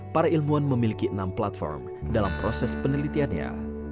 para ilmuwan memiliki enam platform dalam proses penelitiannya